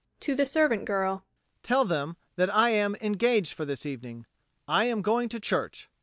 [To the SERVANT GIRL] Tell them that I am engaged for this evening: I am going to church.